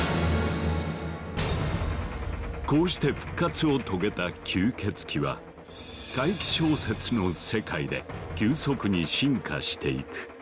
こうして復活を遂げた吸血鬼は怪奇小説の世界で急速に進化していく。